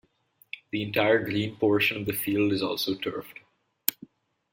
The entire green portion of the field is also turfed.